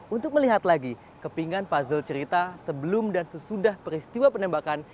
untuk melihat lagi kepingan puzzle cerita sebelum dan sesudah peristiwa penembakan